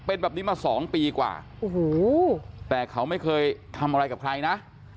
เป็นแบบนี้มา๒ปีกว่าโอ้โหแต่เขาไม่เคยทำอะไรกับใครนะ